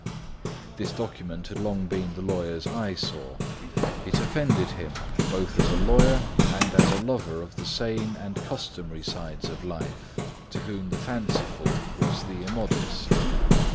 This document had long been the lawyer's eyesore. It offended him both as a lawyer and as a lover of the sane and customary sides of life, to whom the fanciful was the immodest.